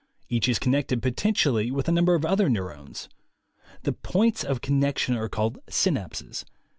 Each is connected potentially with a number of other neurones. The points of connection are called "synapses."